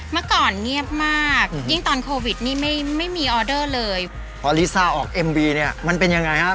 เมื่อก่อนเงียบมากยิ่งตอนโควิดนี้ไม่ไม่มีออด้อเลย